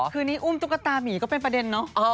คือนี่อุ้มตุ๊กตามีก็เป็นประเด็นเนอะ